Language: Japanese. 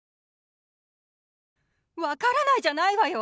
わからないじゃないわよ。